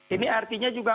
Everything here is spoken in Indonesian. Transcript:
ini artinya juga